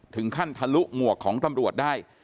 ถึงขั้นทะลุหมวกของตำรวจได้